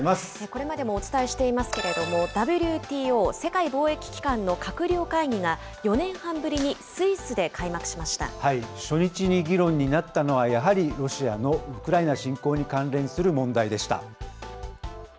これまでもお伝えしていますけれども、ＷＴＯ・世界貿易機関の閣僚会議が４年半ぶりにスイスで開幕しま初日に議論になったのは、やはりロシアのウクライナ侵攻に関連する問題でした。